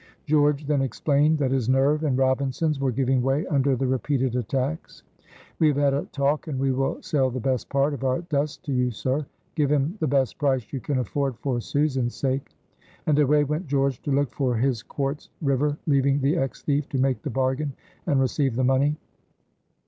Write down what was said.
George then explained that his nerve and Robinson's were giving way under the repeated attacks. "We have had a talk and we will sell the best part of our dust to you, sir. Give him the best price you can afford for Susan's sake." And away went George to look for his quartz river, leaving the ex thief to make the bargain and receive the money.